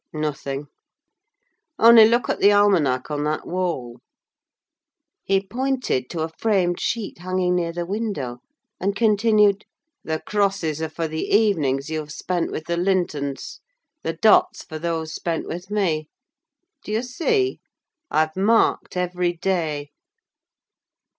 "Nothing—only look at the almanack on that wall;" he pointed to a framed sheet hanging near the window, and continued, "The crosses are for the evenings you have spent with the Lintons, the dots for those spent with me. Do you see? I've marked every day."